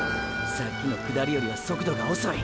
さっきの下りよりは速度が遅い。